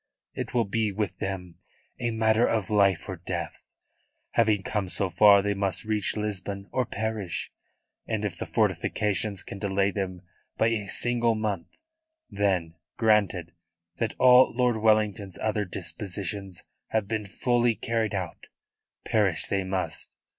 It will be with them a matter of life or death. Having come so far they must reach Lisbon or perish; and if the fortifications can delay them by a single month, then, granted that all Lord Wellington's other dispositions have been duly carried out, perish they must.